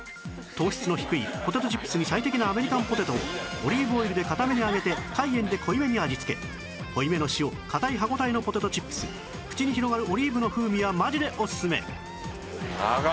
「糖質の低いポテトチップスに最適なアメリカンポテトをオリーブオイルで堅めに揚げて海塩で濃いめに味付け」「濃いめの塩硬い歯ごたえのポテトチップス」「口に広がるオリーブの風味は本当でオススメ」